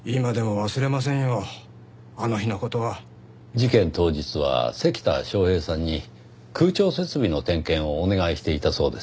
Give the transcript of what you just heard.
事件当日は関田昌平さんに空調設備の点検をお願いしていたそうですね。